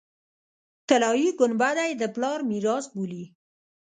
طلایي ګنبده یې د پلار میراث بولي.